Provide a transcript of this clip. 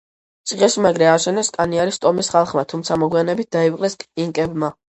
ციხესიმაგრე ააშენეს კანიარის ტომის ხალხმა, თუმცა მოგვიანებით დაიპყრეს ინკებმა.